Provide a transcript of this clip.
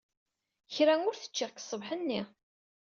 Kra ur t-ččiɣ seg ṣṣbeḥ-nni.